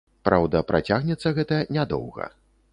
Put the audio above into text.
Праўда, працягнецца гэта нядоўга.